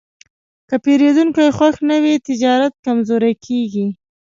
که پیرودونکی خوښ نه وي، تجارت کمزوری کېږي.